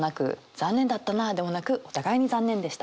「残念だったな」でもなく「お互いに残念でした！」。